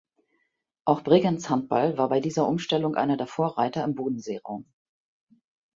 Auch Bregenz Handball war bei dieser Umstellung einer der Vorreiter im Bodenseeraum.